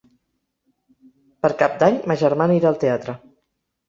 Per Cap d'Any ma germana irà al teatre.